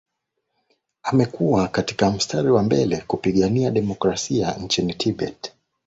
amekuwa katika mstari wa mbele kupigania demokrasia nchini tibet